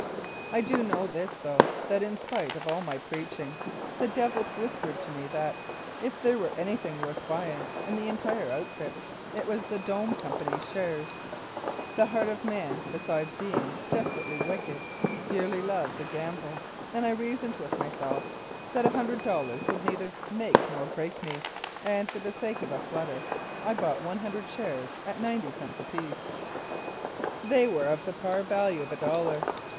I do know this, though, that in spite of all my preaching, the devil whispered to me that, if there were anything worth buying in the entire outfit, it was the "Dome" Company's snares. The heart of man, besides being "desperately wicked," dearly loves a gamble, and I reasoned with myself that a hundred dollars would neither make nor break me, and, for the sake of a "flutter" I bought 100 shares at ninety cents apiece. * 73 Mounted Police Life in Canada They were of the par value of a dollar.